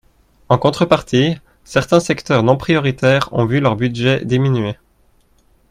En contrepartie, certains secteurs non prioritaires ont vu leur budget diminuer.